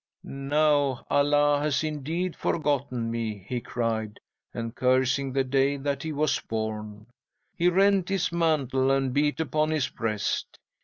"'"Now, Allah has indeed forgotten me!" he cried, and cursing the day that he was born, he rent his mantle, and beat upon his breast.